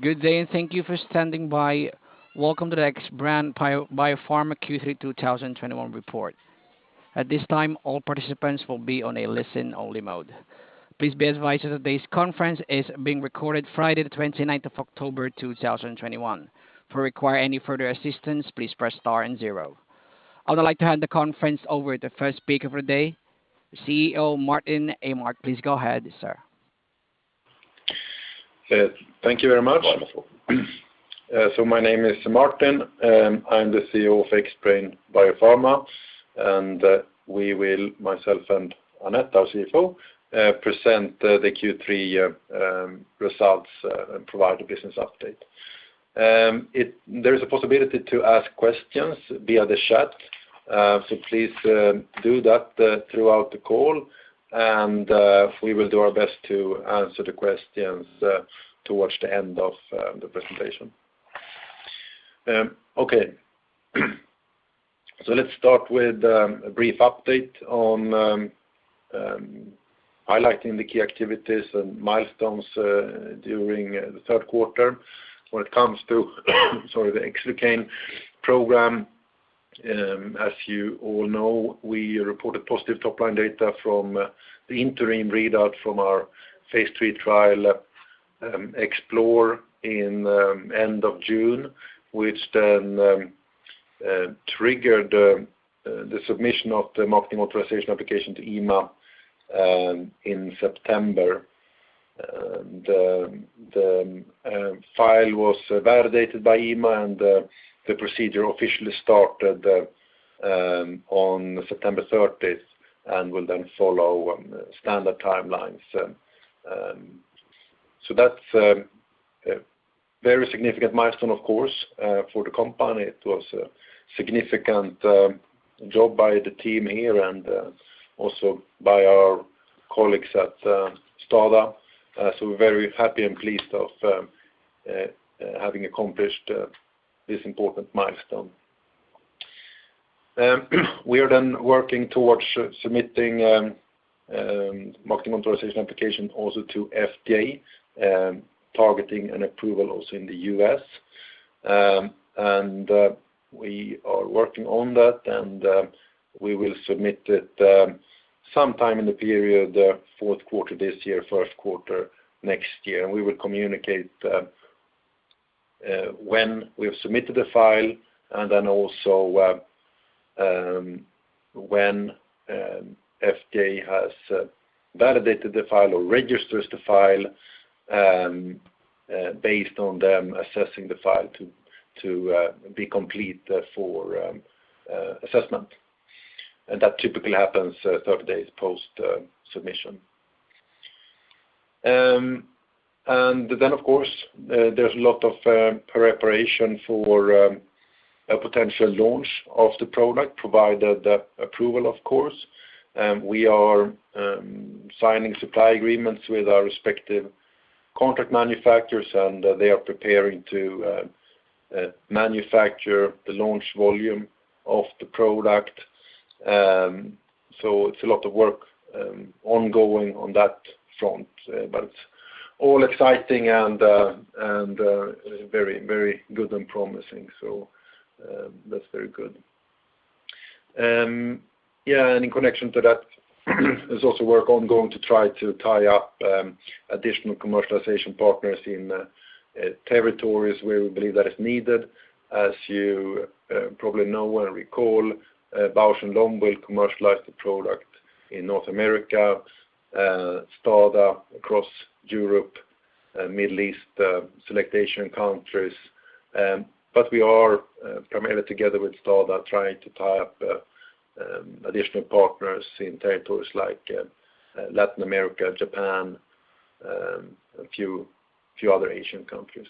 Good day, and thank you for standing by. Welcome to the Xbrane Biopharma Q3 2021 report. At this time, all participants will be on a listen-only mode. Please be advised that today's conference is being recorded. Friday the twenty-ninth of October, two thousand twenty-one. If you require any further assistance, please press star and zero. I would like to hand the conference over to the first speaker of the day, CEO Martin Åmark. Please go ahead, sir. Yes, thank you very much. My name is Martin. I'm the CEO of Xbrane Biopharma, and we will, myself and Anette, our CFO, present the Q3 results and provide a business update. There is a possibility to ask questions via the chat, please do that throughout the call and we will do our best to answer the questions towards the end of the presentation. Okay. Let's start with a brief update on highlighting the key activities and milestones during the third quarter when it comes to the Xlucane program. As you all know, we reported positive top-line data from the interim readout from our phase III trial, XPLORE, in end of June, which then triggered the submission of the Marketing Authorisation application to EMA in September. The file was validated by EMA and the procedure officially started on September thirtieth and will then follow standard timelines. That's a very significant milestone of course for the company. It was a significant job by the team here and also by our colleagues at STADA. We're very happy and pleased of having accomplished this important milestone. We are then working towards submitting Marketing Authorisation application also to FDA, targeting an approval also in the U.S. We are working on that and we will submit it sometime in the period fourth quarter this year, first quarter next year. We will communicate when we have submitted the file and then also when FDA has validated the file or registers the file based on them assessing the file to be complete for assessment. That typically happens 30 days post submission. Then of course there's a lot of preparation for a potential launch of the product provided the approval of course. We are signing supply agreements with our respective contract manufacturers, and they are preparing to manufacture the launch volume of the product. It's a lot of work ongoing on that front. All exciting and very good and promising. That's very good. In connection to that, there's also work ongoing to try to tie up additional commercialization partners in territories where we believe that is needed. As you probably know and recall, Bausch + Lomb will commercialize the product in North America, Stada across Europe, Middle East, select Asian countries. We are primarily together with Stada trying to tie up additional partners in territories like Latin America, Japan, a few other Asian countries.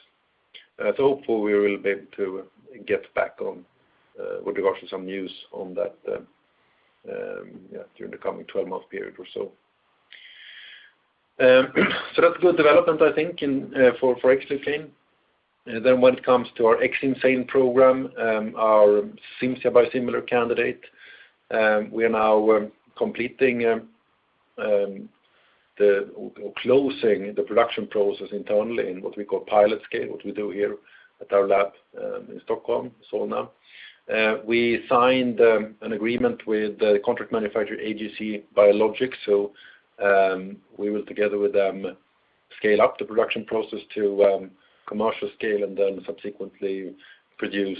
Hopefully we will be able to get back on with regards to some news on that during the coming 12-month period or so. That's good development, I think, for Xlucane. When it comes to our Xcimzane program, our Cimzia biosimilar candidate, we are now completing or closing the production process internally in what we call pilot scale, what we do here at our lab in Stockholm, Solna. We signed an agreement with the contract manufacturer AGC Biologics. We will together with them scale up the production process to commercial scale and then subsequently produce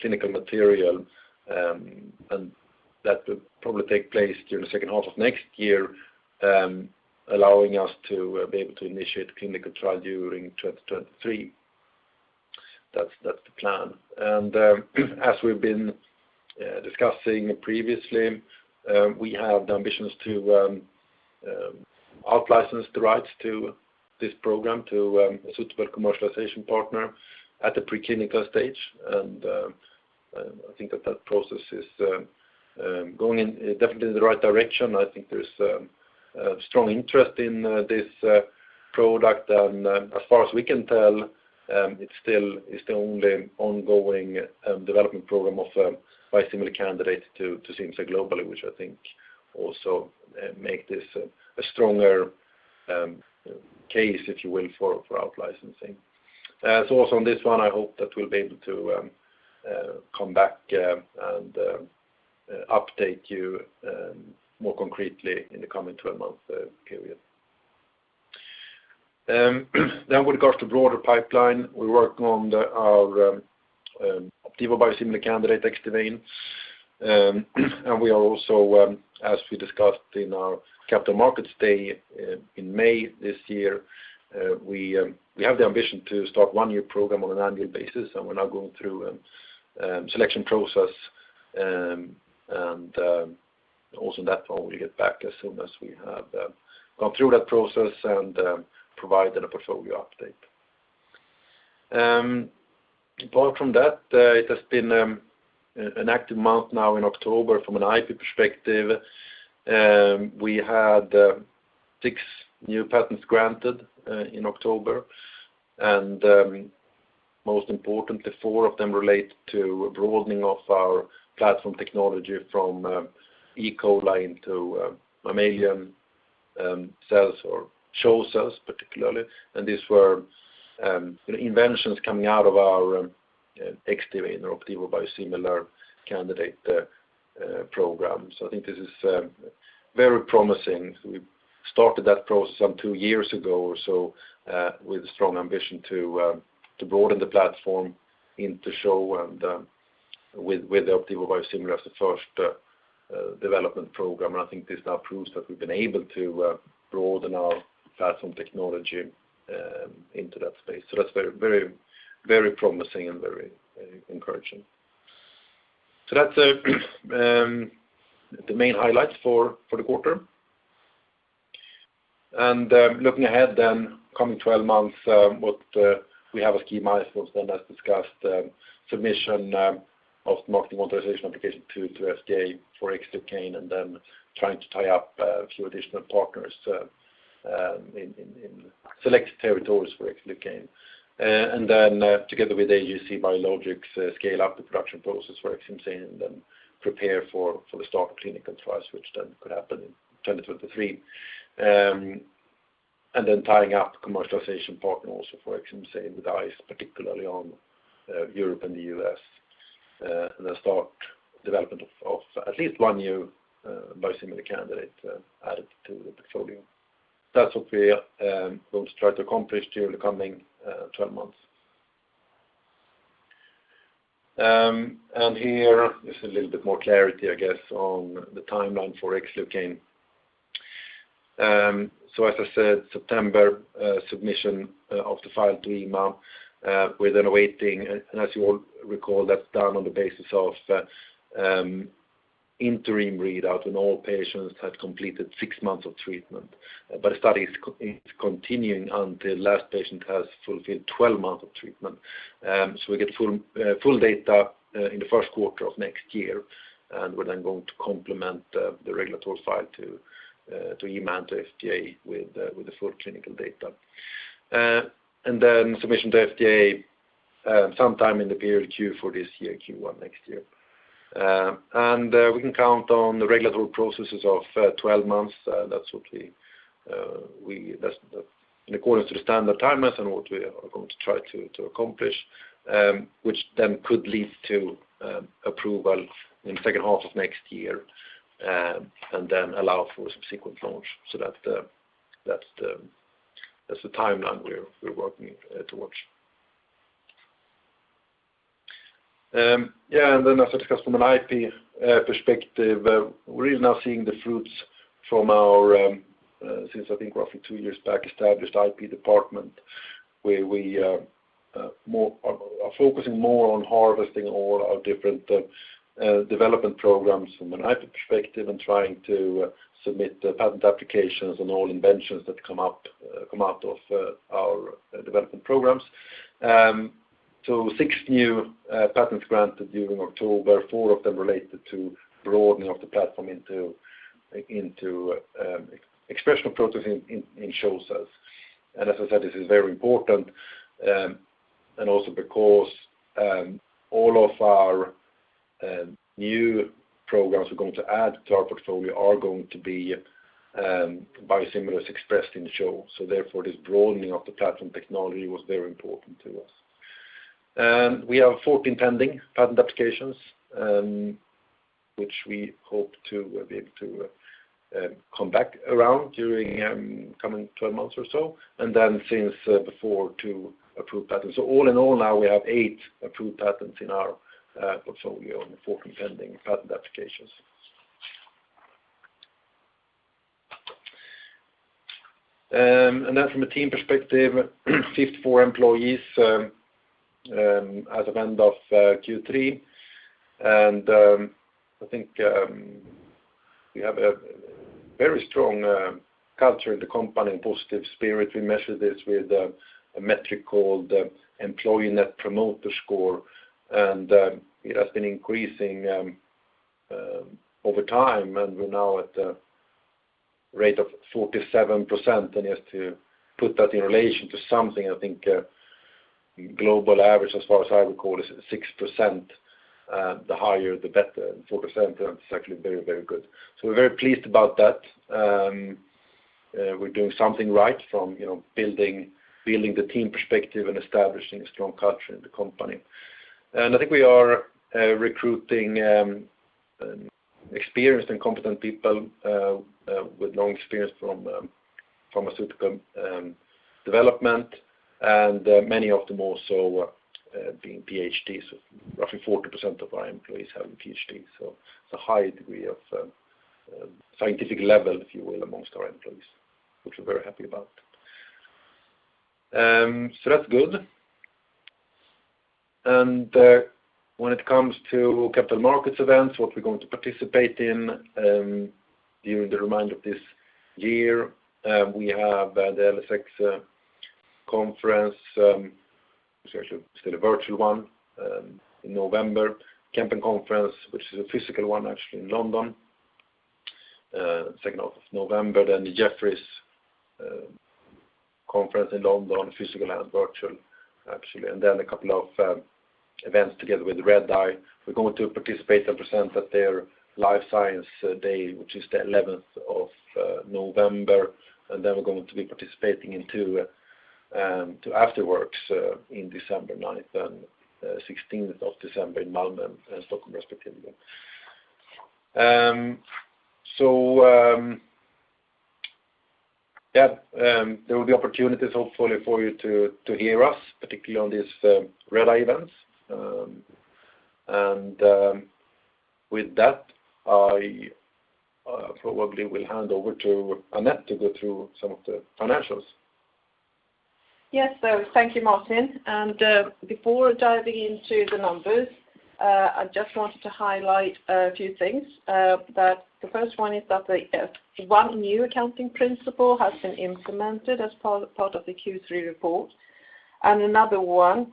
clinical material. That will probably take place during the second half of next year, allowing us to be able to initiate the clinical trial during 2023. That's the plan. As we've been discussing previously, we have the ambitions to out-license the rights to this program to a suitable commercialization partner at the preclinical stage. I think that process is going in definitely in the right direction. I think there's strong interest in this product. As far as we can tell, it's still the only ongoing development program of biosimilar candidate to Cimzia globally, which I think also make this a stronger case, if you will, for out-licensing. Also on this one, I hope that we'll be able to come back and update you more concretely in the coming 12-month period. With regards to broader pipeline, we work on our Opdivo biosimilar candidate Xdivane. We are also, as we discussed in our capital markets day in May this year, we have the ambition to start one new program on an annual basis, and we're now going through selection process. Also that one we'll get back as soon as we have gone through that process and provided a portfolio update. Apart from that, it has been an active month now in October from an IP perspective. We had six new patents granted in October, and most importantly, four of them relate to broadening of our platform technology from E. coli into mammalian cells or CHO cells particularly. These were you know inventions coming out of our Xdivane or Opdivo biosimilar candidate program. I think this is very promising. We started that process some two years ago or so with a strong ambition to broaden the platform into CHO and with the Opdivo biosimilar as the first development program. I think this now proves that we've been able to broaden our platform technology into that space. That's very promising and very encouraging. That's the main highlights for the quarter. Looking ahead then, coming 12-months, what we have as key milestones then as discussed, submission of marketing authorization application to FDA for Xlucane, and then trying to tie up a few additional partners in select territories for Xlucane. Together with AGC Biologics, scale up the production process for Xcimzane and then prepare for the start of clinical trials, which then could happen in 2023. Tying up commercialization partners for Xcimzane with eyes particularly on Europe and the US. Start development of at least one new biosimilar candidate added to the portfolio. That's what we will try to accomplish during the coming 12-months. Here is a little bit more clarity, I guess, on the timeline for Xlucane. As I said, September submission of the file to EMA, and as you all recall, that's done on the basis of interim readout when all patients have completed six months of treatment. The study is continuing until last patient has fulfilled 12-months of treatment. So we get full data in the first quarter of next year, and we're then going to complement the regulatory file to EMA and to FDA with the full clinical data. And then submission to FDA sometime in the period Q4 this year, Q1 next year. And we can count on the regulatory processes of 12 months. That's what we, that's in accordance to the standard timelines and what we are going to try to accomplish, which then could lead to approval in the second half of next year, and then allow for subsequent launch. That's the timeline we're working towards. As I discussed from an IP perspective, we're really now seeing the fruits from our since I think roughly two years back established IP department, where we are focusing more on harvesting all our different development programs from an IP perspective and trying to submit patent applications on all inventions that come out of our development programs. Six new patents granted during October. Four of them related to broadening of the platform into expression of protein in CHO cells. As I said, this is very important. Also because all of our new programs we're going to add to our portfolio are going to be biosimilars expressed in CHO. Therefore, this broadening of the platform technology was very important to us. We have 14 pending patent applications, which we hope to be able to come back around during coming 12 months or so. Since before, two approved patents. All in all, now we have eight approved patents in our portfolio and 14 pending patent applications. From a team perspective, 54 employees as of end of Q3. I think we have a very strong culture in the company and positive spirit. We measure this with a metric called employee net promoter score. It has been increasing over time, and we're now at a rate of 47% and just to put that in relation to something, I think, global average as far as I recall is 6%, the higher, the better, and 4% is actually very, very good. We're very pleased about that. We're doing something right from, you know, building the team perspective and establishing a strong culture in the company. I think we are recruiting experienced and competent people with long experience from pharmaceutical development, and many of them also being PhDs. Roughly 40% of our employees have a PhD, so it's a high degree of scientific level, if you will, among our employees, which we're very happy about. That's good. When it comes to capital markets events, what we're going to participate in during the remainder of this year, we have the LSX conference, which is actually still a virtual one, in November. Kempen Conference, which is a physical one, actually, in London, second of November. The Jefferies conference in London, physical and virtual, actually. A couple of events together with Redeye. We're going to participate and present at their Life Science Day, which is the 11th of November. We're going to be participating in two After Works in December, ninth and 16th of December in Malmö and Stockholm, respectively. Yeah, there will be opportunities, hopefully, for you to hear us, particularly on these Redeye events. With that, I probably will hand over to Anette to go through some of the financials. Yes. Thank you, Martin. Before diving into the numbers, I just wanted to highlight a few things. The first one is that one new accounting principle has been implemented as part of the Q3 report. Another one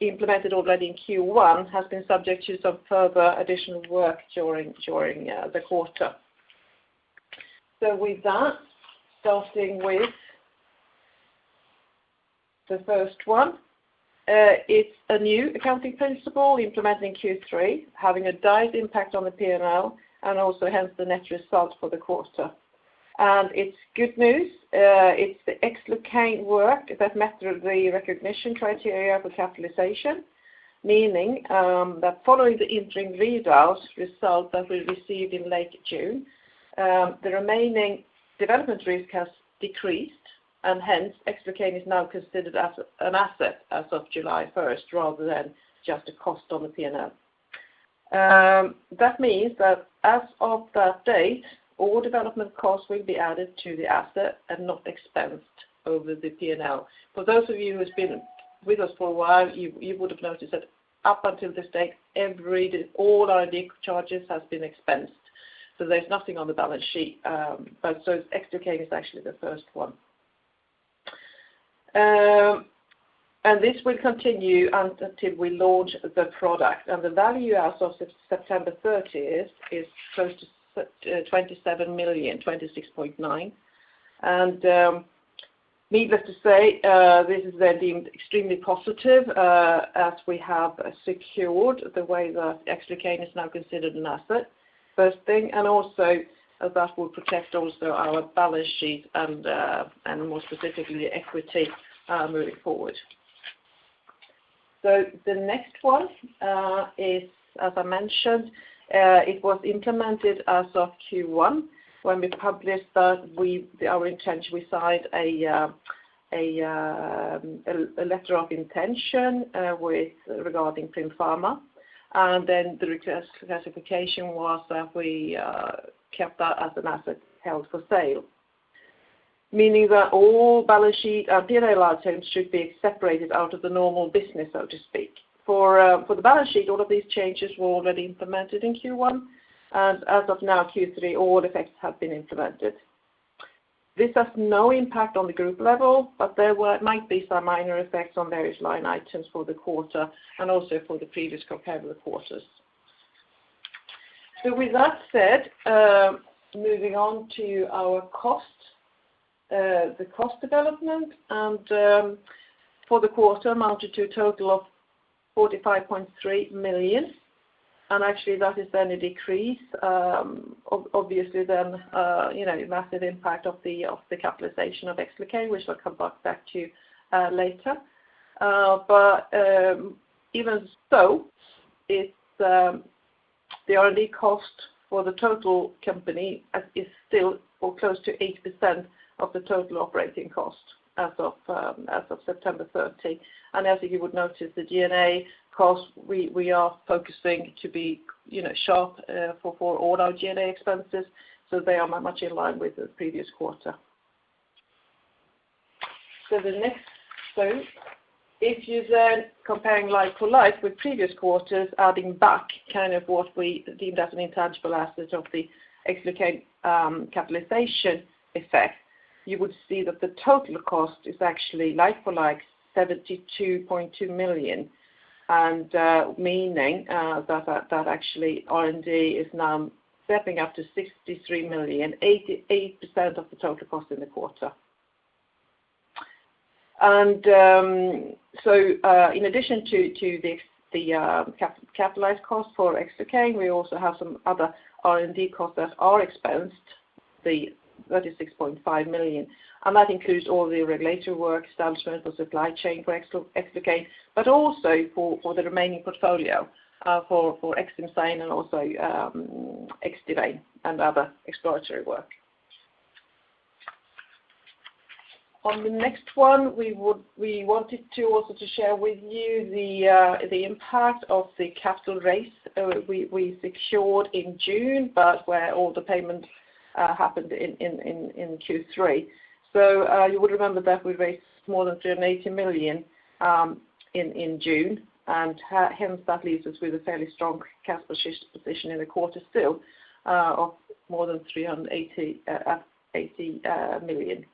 implemented already in Q1 has been subject to some further additional work during the quarter. With that, starting with the first one, it's a new accounting principle implemented in Q3, having a direct impact on the P&L and also hence the net result for the quarter. It's good news. It's the Xlucane work that met the recognition criteria for capitalization, meaning that following the interim readouts result that we received in late June, the remaining development risk has decreased, and hence Xlucane is now considered as an asset as of July 1, rather than just a cost on the P&L. That means that as of that date, all development costs will be added to the asset and not expensed over the P&L. For those of you who's been with us for a while, you would have noticed that up until this date, all our R&D charges has been expensed. There's nothing on the balance sheet, but Xlucane is actually the first one. This will continue until we launch the product. The value as of September 30 is close to 27 million, 26.9 million. Needless to say, this is then deemed extremely positive, as we have secured the way that Xlucane is now considered an asset, first thing, and also that will protect our balance sheet and more specifically, equity, moving forward. The next one is, as I mentioned, it was implemented as of Q1 when we published our intention, we signed a letter of intent regarding Primm Pharma. The request classification was that we kept that as an asset held for sale, meaning that all balance sheet P&L items should be separated out of the normal business, so to speak. For the balance sheet, all of these changes were already implemented in Q1, and as of now, Q3, all effects have been implemented. This has no impact on the group level, but there might be some minor effects on various line items for the quarter and also for the previous comparable quarters. With that said, moving on to our costs, the cost development for the quarter amounted to a total of 45.3 million. Actually, that is then a decrease, obviously then, you know, massive impact of the capitalization of Xlucane, which I'll come back to later. But even so, it's the R&D cost for the total company is still or close to 8% of the total operating cost as of September 30. As you would notice, the G&A costs, we are focusing to be, you know, sharp, for all our G&A expenses, so they are much in line with the previous quarter. The next slide, if you then comparing like to like with previous quarters, adding back kind of what we deemed as an intangible asset of the Xlucane, capitalization effect. You would see that the total cost is actually like for like 72.2 million. Meaning, that actually R&D is now stepping up to 63 million, 88% of the total cost in the quarter. In addition to this, the capitalized cost for Xlucane, we also have some other R&D costs that are expensed, the 36.5 million. That includes all the regulatory work, establishment of supply chain for Xlucane, but also for the remaining portfolio, for Xcimzane and also Xdivane and other exploratory work. On the next one, we wanted to also share with you the impact of the capital raise we secured in June, but where all the payments happened in Q3. You would remember that we raised more than 380 million in June, and hence that leaves us with a fairly strong capital position in the quarter still of more than 380 million.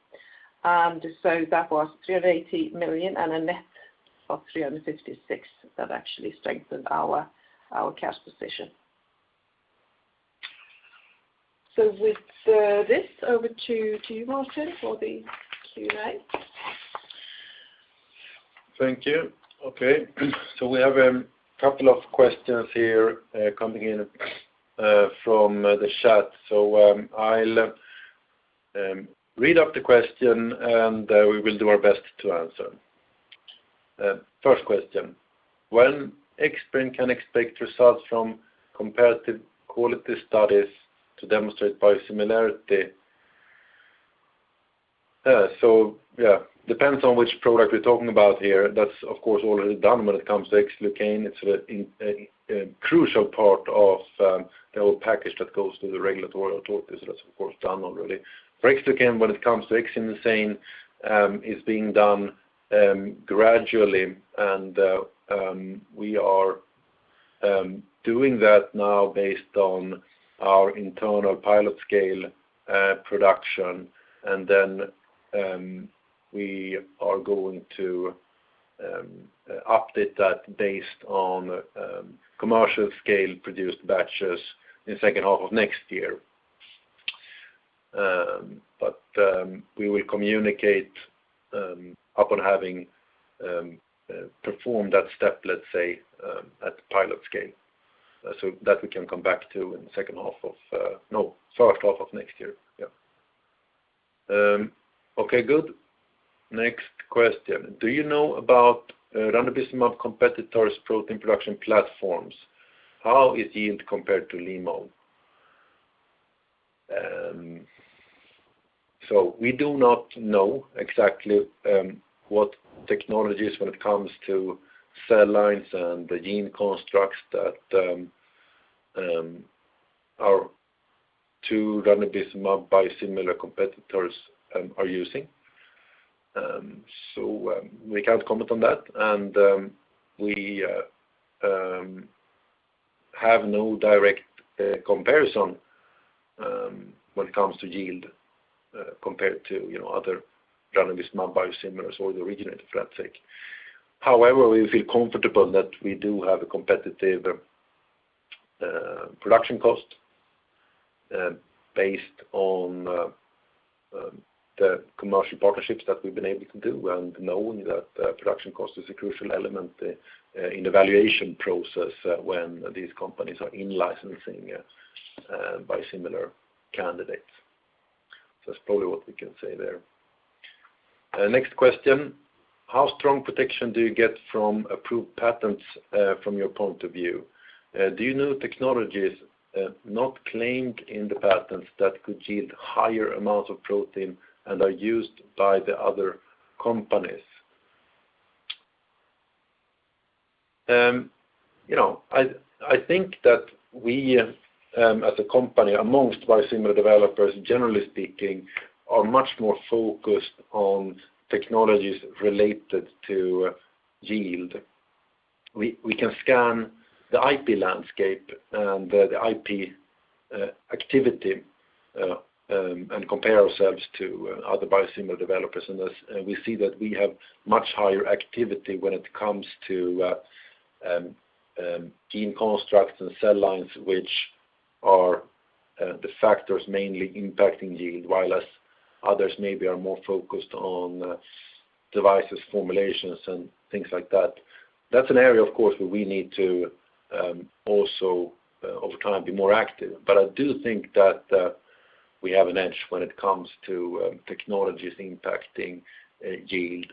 That was 380 million and a net of 356 million that actually strengthened our cash position. With this over to you, Martin, for the Q&A. Thank you. Okay. We have a couple of questions here coming in from the chat. I'll read the question, and we will do our best to answer. First question, when can Xbrane expect results from comparative quality studies to demonstrate biosimilarity? Yeah, it depends on which product we're talking about here. That's of course already done when it comes to Xlucane. It's a crucial part of the whole package that goes to the regulatory authorities. That's of course done already. When it comes to Xcimzane, it is being done gradually. We are doing that now based on our internal pilot scale production. Then we are going to update that based on commercial scale produced batches in second half of next year. We will communicate upon having performed that step, let's say, at pilot scale. That we can come back to in the first half of next year. Yeah. Okay, good. Next question. Do you know about ranibizumab competitors' protein production platforms? How is yield compared to limo? We do not know exactly what technologies when it comes to cell lines and the gene constructs that our two ranibizumab biosimilar competitors are using. We have no direct comparison when it comes to yield compared to, you know, other ranibizumab biosimilars or the originator for that matter. However, we feel comfortable that we do have a competitive production cost based on the commercial partnerships that we've been able to do, and knowing that production cost is a crucial element in the valuation process when these companies are in licensing biosimilar candidates. That's probably what we can say there. Next question. How strong protection do you get from approved patents from your point of view? Do you know technologies not claimed in the patents that could yield higher amounts of protein and are used by the other companies? You know, I think that we as a company amongst biosimilar developers, generally speaking, are much more focused on technologies related to yield. We can scan the IP landscape and the IP activity and compare ourselves to other biosimilar developers. As we see that we have much higher activity when it comes to gene constructs and cell lines, which are the factors mainly impacting yield, while others maybe are more focused on devices, formulations and things like that. That's an area of course, where we need to also over time be more active. I do think that we have an edge when it comes to technologies impacting yield.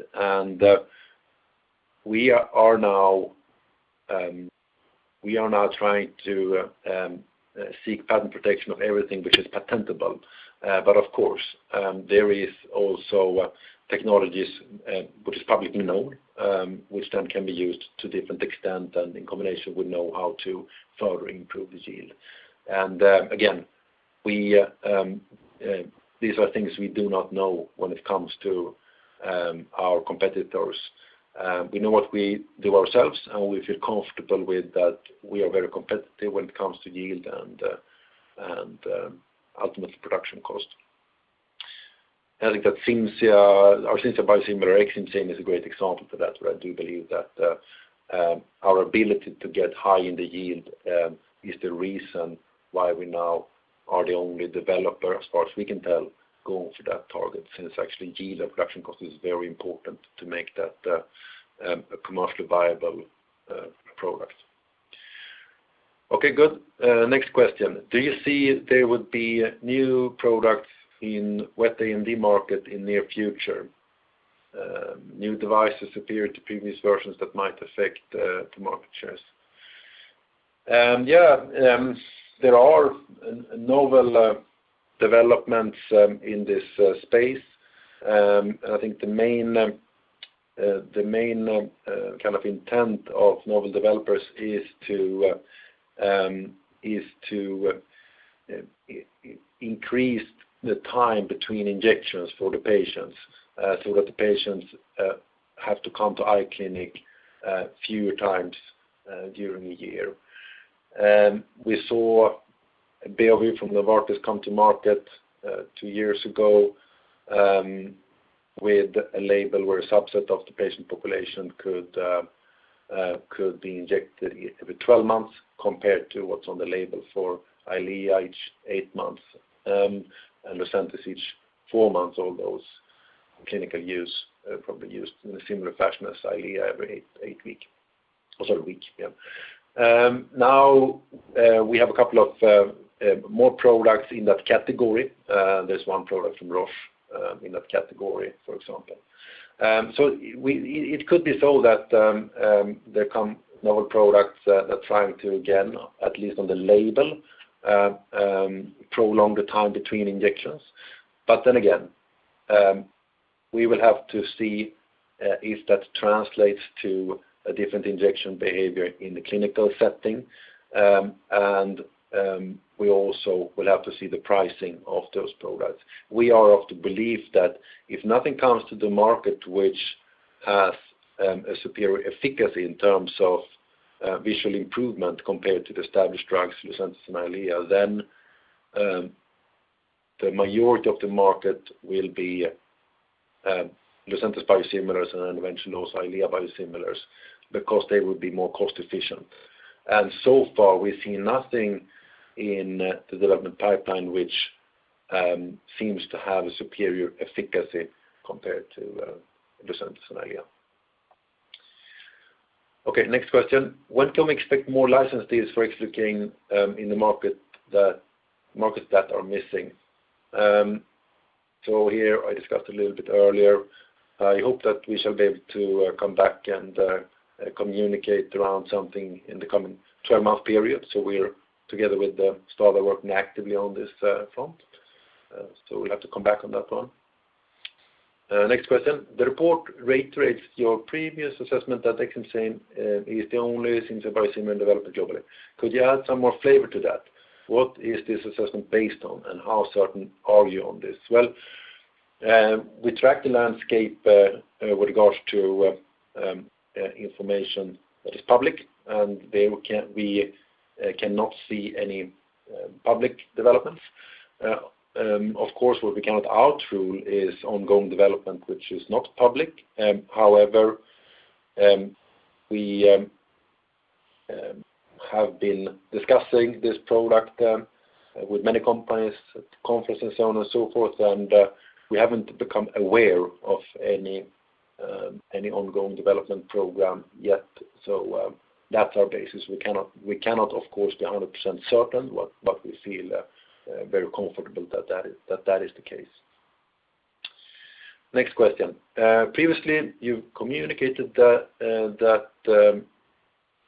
We are now trying to seek patent protection of everything which is patentable. Of course, there is also technologies which is publicly known, which then can be used to different extent and in combination we know how to further improve the yield. Again, these are things we do not know when it comes to our competitors. We know what we do ourselves, and we feel comfortable with that we are very competitive when it comes to yield and ultimate production cost. I think that Cimzia, our Xcimzane biosimilar is a great example for that, where I do believe that our ability to get high yield is the reason why we now are the only developer, as far as we can tell, going for that target. Since actually yield and production cost is very important to make that a commercially viable product. Okay, good. Next question. Do you see there would be new products in wet AMD market in near future? New devices compared to previous versions that might affect the market shares. Yeah, there are novel developments in this space. I think the main kind of intent of novel developers is to increase the time between injections for the patients so that the patients have to come to eye clinic fewer times during the year. We saw Beovu from Novartis come to market two years ago with a label where a subset of the patient population could be injected every 12 months compared to what's on the label for Eylea every eight months, and Lucentis every four months. All those clinical uses probably used in a similar fashion as Eylea every eight weeks. Now, we have a couple of more products in that category. There's one product from Roche in that category, for example. It could be so that there come novel products that are trying to, again, at least on the label, prolong the time between injections. Again, we will have to see if that translates to a different injection behavior in the clinical setting. We also will have to see the pricing of those products. We are of the belief that if nothing comes to the market which has, a superior efficacy in terms of, visual improvement compared to the established drugs, Lucentis and Eylea, then, the majority of the market will be, Lucentis biosimilars and eventually also Eylea biosimilars because they will be more cost efficient. So far we've seen nothing in the development pipeline which, seems to have a superior efficacy compared to, Lucentis and Eylea. Okay, next question. When can we expect more license deals for Xlucane in the markets that are missing? Here I discussed a little bit earlier. I hope that we shall be able to, come back and, communicate around something in the coming 12-month period. We're together with the STADA working actively on this, front. We'll have to come back on that one. Next question. The report reiterates your previous assessment that Xoncane is the only biosimilar in development globally. Could you add some more flavor to that? What is this assessment based on, and how certain are you on this? Well, we track the landscape with regards to information that is public, and there we cannot see any public developments. Of course, what we cannot rule out is ongoing development which is not public. However, we have been discussing this product with many companies at conferences and so on and so forth, and we haven't become aware of any ongoing development program yet. That's our basis. We cannot of course be 100% certain, but we feel very comfortable that that is the case. Next question. Previously you communicated that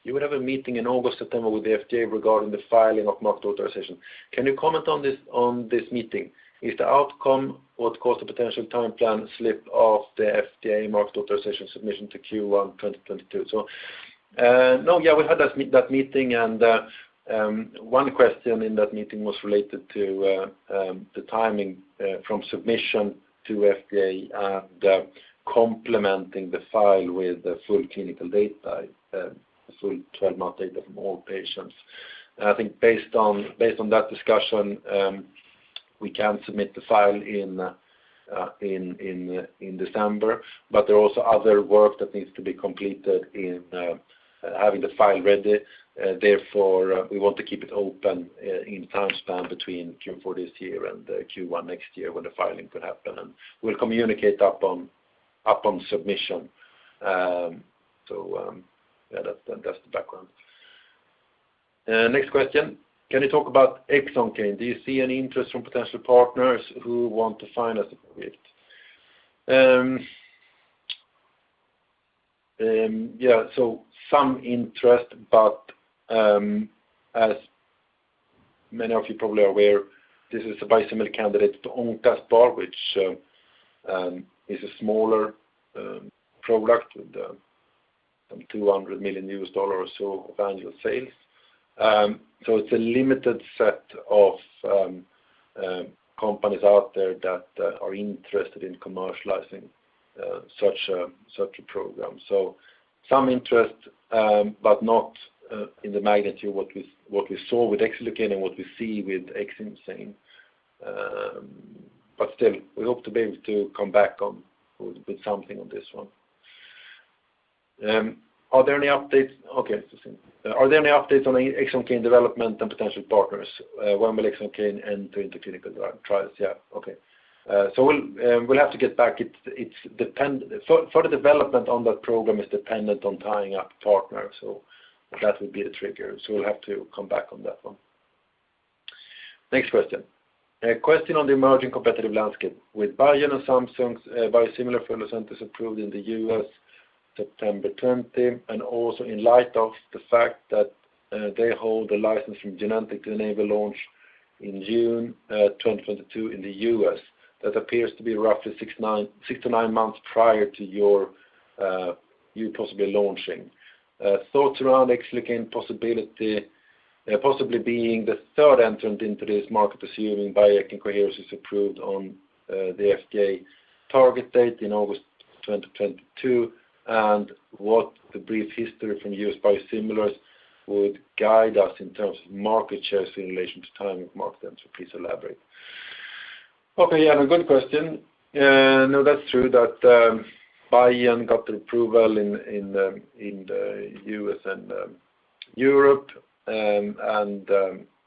you would have a meeting in August, September with the FDA regarding the filing of market authorization. Can you comment on this meeting? Is the outcome what caused the potential timeline slip of the FDA market authorization submission to Q1 2022? No, yeah, we had that meeting and one question in that meeting was related to the timing from submission to FDA and complementing the file with the full clinical data, the full 12-month data from all patients. I think based on that discussion, we can submit the file in December, but there are also other work that needs to be completed in having the file ready. Therefore, we want to keep it open in time span between Q4 this year and Q1 next year when the filing could happen, and we'll communicate upon submission. That's the background. Next question. Can you talk about Xoncane? Do you see any interest from potential partners who want to finance it? Some interest, but as many of you probably are aware, this is a biosimilar candidate to Oncaspar, which is a smaller product and some $200 million or so of annual sales. It's a limited set of companies out there that are interested in commercializing such a program. Some interest, but not in the magnitude what we saw with Xlucane and what we see with Xcimzane. But still, we hope to be able to come back on with something on this one. Are there any updates? Okay. Are there any updates on Xlucane development and potential partners? When will Xlucane enter into clinical trials? Yeah. Okay. We'll have to get back. It's dependent for the development on that program, it's dependent on tying up partners. That would be the trigger, we'll have to come back on that one. Next question. A question on the emerging competitive landscape. With Biogen and Samsung's biosimilar for Lucentis approved in the U.S. September 20, and also in light of the fact that they hold a license from Genentech to enable launch in June 2022 in the U.S., that appears to be roughly six to nine months prior to you possibly launching. Thoughts around Xlucane possibility possibly being the third entrant into this market, assuming Coherus BioSciences is approved on the FDA target date in August 2022, and what the brief history from U.S. biosimilars would guide us in terms of market shares in relation to timing of market entry. Please elaborate. Okay, yeah, a good question. No, that's true that Biogen got the approval in the U.S. and Europe.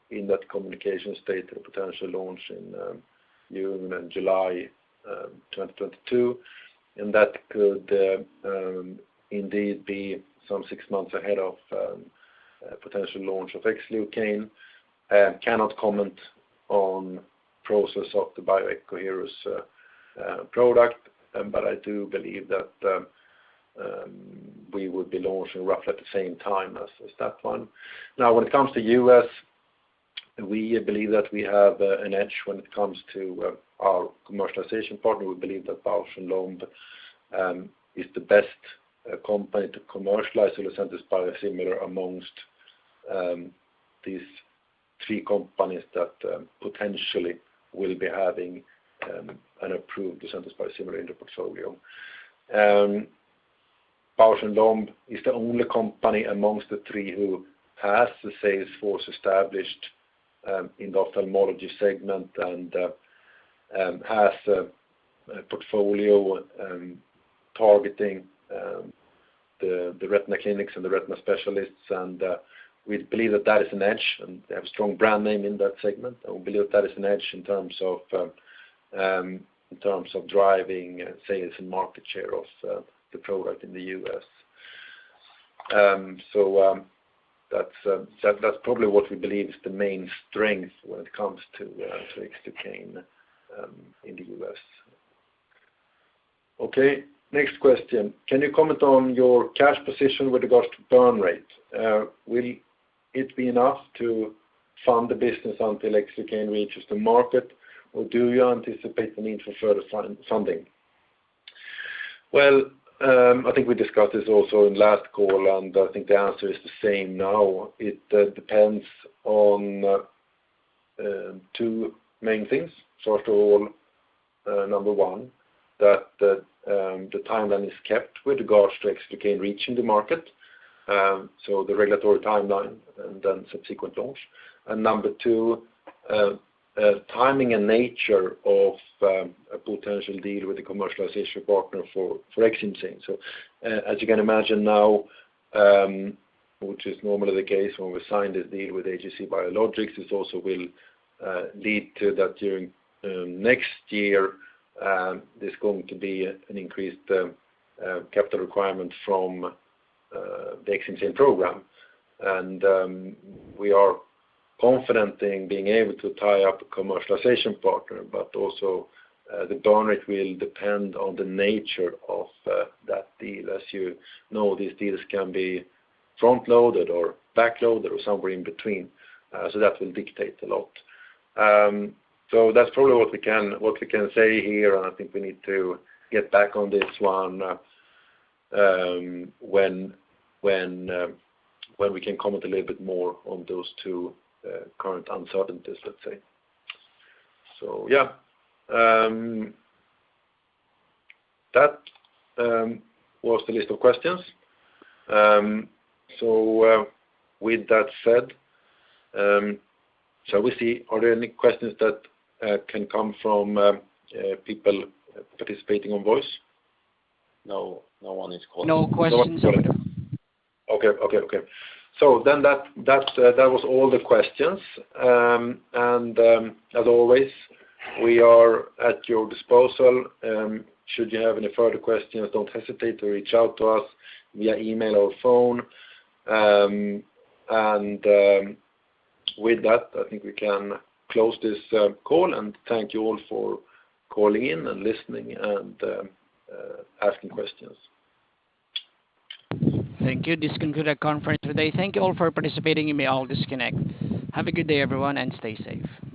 In that communication state, a potential launch in June and July 2022. That could indeed be some six months ahead of potential launch of Xlucane. Cannot comment on process of the Coherus BioSciences product. I do believe that we would be launching roughly at the same time as that one. Now, when it comes to U.S., we believe that we have an edge when it comes to our commercialization partner. We believe that Bausch + Lomb is the best company to commercialize Lucentis biosimilar among these three companies that potentially will be having an approved Lucentis biosimilar in the portfolio. Bausch + Lomb is the only company among the three who has the sales force established in the ophthalmology segment and has a portfolio targeting the retina clinics and the retina specialists. We believe that is an edge, and they have a strong brand name in that segment. We believe that is an edge in terms of driving sales and market share of the product in the U.S. That's probably what we believe is the main strength when it comes to Xlucane in the U.S. Okay. Next question. Can you comment on your cash position with regards to burn rate? Will it be enough to fund the business until Xlucane reaches the market, or do you anticipate the need for further funding? Well, I think we discussed this also in last call, and I think the answer is the same now. It depends on two main things. First of all, number one, that the timeline is kept with regards to Xlucane reaching the market. The regulatory timeline and then subsequent launch. Number two, timing and nature of a potential deal with the commercialization partner for Xcimzane. As you can imagine now, which is normally the case when we signed a deal with AGC Biologics, this also will lead to that during next year, there's going to be an increased capital requirement from the Xcimzane program. We are confident in being able to tie up a commercialization partner, but also, the burn rate will depend on the nature of, that deal. As you know, these deals can be front-loaded or back-loaded or somewhere in between. So that will dictate a lot. That's probably what we can say here, and I think we need to get back on this one, when we can comment a little bit more on those two current uncertainties, let's say. That was the list of questions. With that said, shall we see, are there any questions that can come from people participating on voice? No. No one is calling. No questions. Okay. That was all the questions. As always, we are at your disposal. Should you have any further questions, don't hesitate to reach out to us via email or phone. With that, I think we can close this call. Thank you all for calling in and listening and asking questions. Thank you. This concludes our conference today. Thank you all for participating. You may all disconnect. Have a good day, everyone, and stay safe.